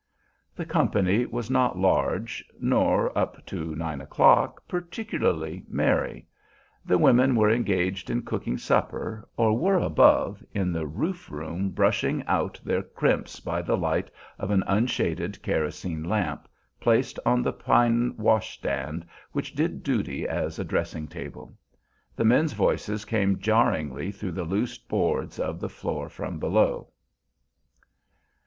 The company was not large, nor, up to nine o'clock, particularly merry. The women were engaged in cooking supper, or were above in the roof room brushing out their crimps by the light of an unshaded kerosene lamp, placed on the pine wash stand which did duty as a dressing table. The men's voices came jarringly through the loose boards of the floor from below.